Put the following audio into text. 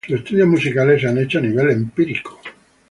Sus estudios musicales se han hecho a nivel empírico.